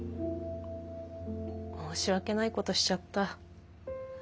申し訳ないことしちゃった。